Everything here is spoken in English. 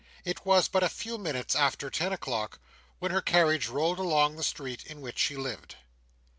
It was but a few minutes after ten o'clock, when her carriage rolled along the street in which she lived.